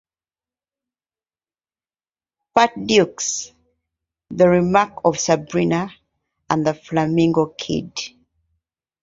Part Deux", the remake of "Sabrina", and "The Flamingo Kid".